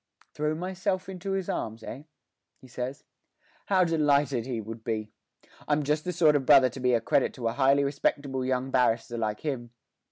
'Throw myself into his arms, eh?' he says. 'How delighted he would be! I'm just the sort of brother to be a credit to a highly respectable young barrister like him.